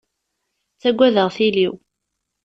Ttaggadeɣ tili-w.